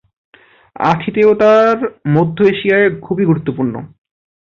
আতিথেয়তা মধ্য এশিয়ায় খুবই গুরুত্বপূর্ণ।